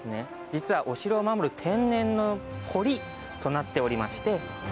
実は、お城を守る天然の堀となっておりまして。